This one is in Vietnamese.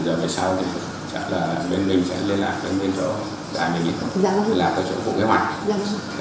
rồi về sau thì chắc là bên mình sẽ liên lạc đến bên chỗ đại bệnh viện liên lạc tới chỗ phụ kế hoạch